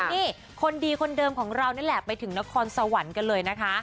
นี่คนดีคนเดิมของเรานี่แหละไปถึงนครสวรรค์กันเลยนะคะ